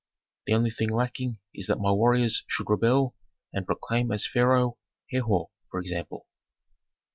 The only thing lacking is that my warriors should rebel and proclaim as pharaoh Herhor, for example."